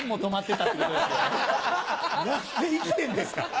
それで生きてんですか。